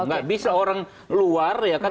nggak bisa orang luar ya kan